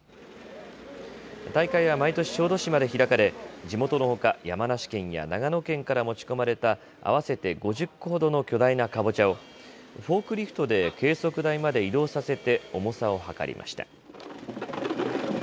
大会は毎年、小豆島で開かれ、地元のほか、山梨県や長野県から持ち込まれた合わせて５０個ほどの巨大なカボチャを、フォークリフトで計測台まで移動させて、重さを量りました。